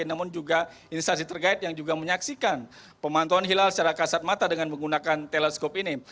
namun juga instansi terkait yang juga menyaksikan pemantauan hilal secara kasat mata dengan menggunakan teleskop ini